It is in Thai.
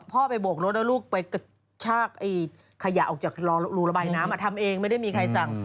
พ่อไปโบกรถแล้วลูกไปกระชากขยะออกจากรูระบายน้ำทำเองไม่ได้มีใครสั่ง